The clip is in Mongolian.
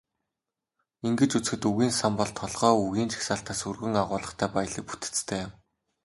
Ингэж үзэхэд, үгийн сан бол толгой үгийн жагсаалтаас өргөн агуулгатай, баялаг бүтэцтэй юм.